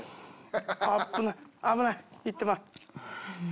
危ない危ないいってまう。